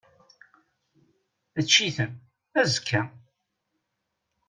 Ečč-iten, azekka!